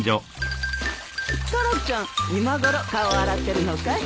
タラちゃん今ごろ顔洗ってるのかい？